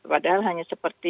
padahal hanya seperti